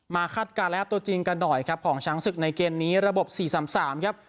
มาคาดการแล้วตัวจริงกันหน่อยครับของช้างศึกในเกณฑ์นี้ระบบสี่สามสามครับ